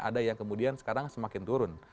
ada yang kemudian sekarang semakin turun